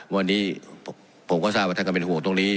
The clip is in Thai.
วันนี้ผมก็ทราบว่าท่านก็เป็นห่วงตรงนี้